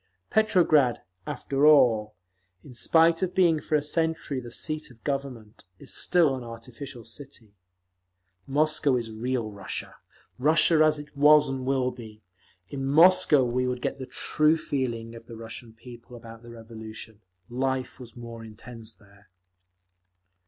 Petrograd, after all, in spite of being for a century the seat of Government, is still an artificial city. Moscow is real Russia, Russia as it was and will be; in Moscow we would get the true feeling of the Russian people about the Revolution. Life was more intense there.